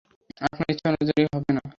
আপনার ইচ্ছানুযায়ী হবে না।